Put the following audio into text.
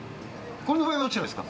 これの場合はどちらですか？